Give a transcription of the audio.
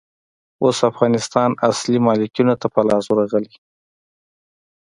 اوس افغانستان اصلي مالکينو ته په لاس ورغلئ.